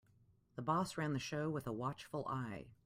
The boss ran the show with a watchful eye.